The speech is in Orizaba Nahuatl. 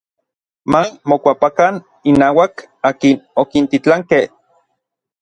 Ma mokuapakan innauak akin okintitlankej.